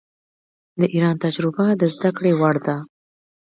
د ایران تجربه د زده کړې وړ ده.